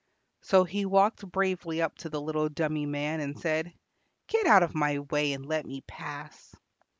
So he walked bravely up to the little dummy man and said, "Get out of my way and let me pass."